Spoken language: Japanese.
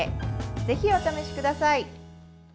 ぜひ、お試しください。